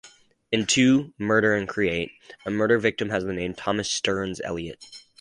In "To Murder and Create", a murder victim has the name "Thomas Stearns Eliot".